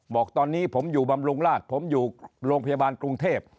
บอกตอนนี้ผมอยู่บำรุงราชผมอยู่โรงพยาบาลกรุงเทพ